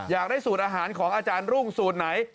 อยากได้สูตรอาหารของอาจารย์รุ่งสูตรไหน